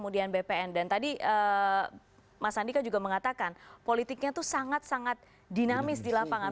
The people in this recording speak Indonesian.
dan tadi mas sandika juga mengatakan politiknya itu sangat sangat dinamis di lapangan